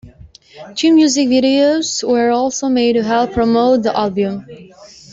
Two music videos were also made to help promote the album.